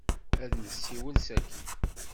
Ad nessiwel sakkin.